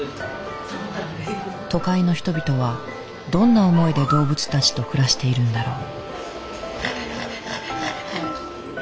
都会の人々はどんな思いで動物たちと暮らしているんだろう。